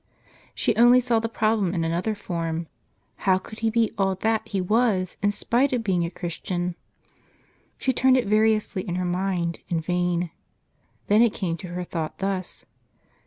She only saw the problem in another form ; how could he be all that he was in spite of being a Christian ? She turned it variously in her mind, in vain. Then it came to her thought thus.